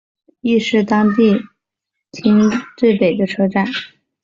亦是当别町最北的车站。